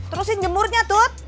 terusin jemurnya tut